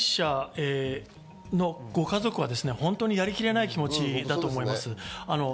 被害者のご家族はやりきれない気持ちだと思います。